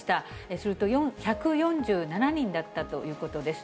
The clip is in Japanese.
すると１４７人だったということです。